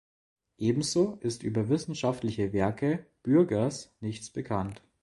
Ebenso ist über wissenschaftliche Werke Bürgers nichts bekannt.